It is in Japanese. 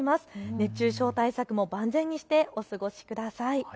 熱中症対策も万全にしてお過ごしください。